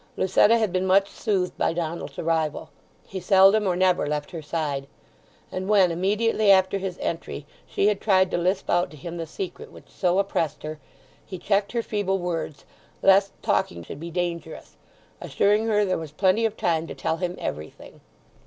Lucetta had been much soothed by Donald's arrival; he seldom or never left her side; and when, immediately after his entry, she had tried to lisp out to him the secret which so oppressed her, he checked her feeble words, lest talking should be dangerous, assuring her there was plenty of time to tell him everything.